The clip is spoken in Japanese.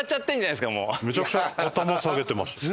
めちゃくちゃ頭下げてましたけど。